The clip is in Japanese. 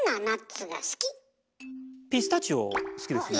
ピスタチオ好きですね。